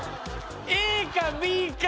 ＡかＢか。